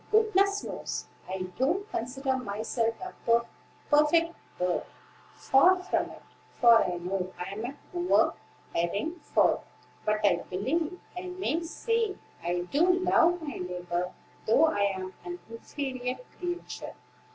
Goodness knows, I don't consider myself a perfect bird; far from it; for I know I am a poor, erring fowl; but I believe I may say I do love my neighbor, though I am 'an inferior creature.'"